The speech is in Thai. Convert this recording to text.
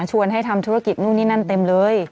ให้ทำธุรกิจนู่นนี่นั่นเต็มเลย